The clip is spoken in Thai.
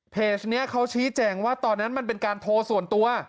เพจนี้เขาชี้แจงว่าตอนนั้นมันเป็นการโทรส่วนตัว